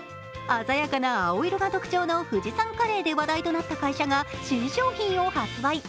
鮮やかな青色が特徴の富士山カレーで話題となった会社が新商品を発売。